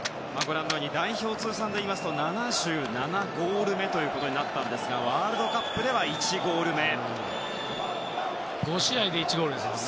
代表通算でいいますと７７ゴール目となったんですがワールドカップでは１ゴール目。